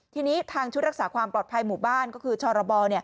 ทีนี้ทางชุดรักษาความปลอดภัยหมู่บ้านก็คือชรบ